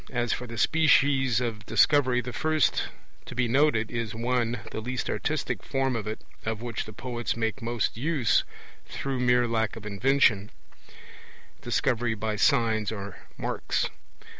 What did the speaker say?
As for the species of Discovery, the first to be noted is (1) the least artistic form of it, of which the poets make most use through mere lack of invention, Discovery by signs or marks.